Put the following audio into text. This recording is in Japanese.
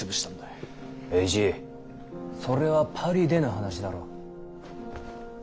栄一それはパリでの話だろ。